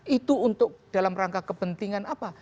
itu untuk dalam rangka kepentingan apa